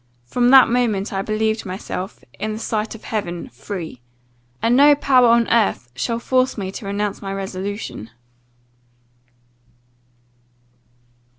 From that moment I believed myself, in the sight of heaven, free and no power on earth shall force me to renounce my resolution."